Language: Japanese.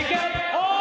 おい！